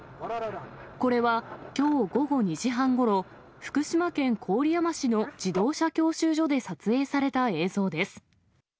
これは、きょう午後２時半ごろ、福島県郡山市の自動車教習所で撮影された映像です。